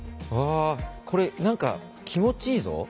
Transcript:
うわこれ何か気持ちいいぞ。